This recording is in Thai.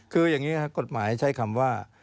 คืออย่างนี้ครับกฎหมายใช้คำว่า